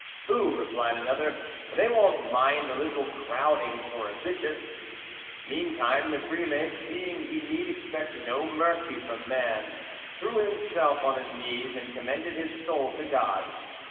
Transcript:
"Pooh!" replied another, "they won't mind a little crowding for a bishop." Meantime the prelate, seeing he need expect no mercy from man, threw himself on his knees and commended his soul to God.